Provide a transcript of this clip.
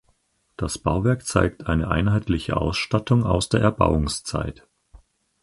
Das Bauwerk zeigt eine einheitliche Ausstattung aus der Erbauungszeit.